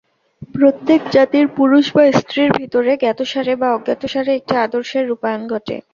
প্রত্যেক জাতির পুরুষ বা স্ত্রীর ভিতরে জ্ঞাতসারে বা অজ্ঞাতসারে একটি আদর্শের রূপায়ণ ঘটে।